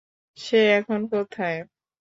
সে এখন কোথায়?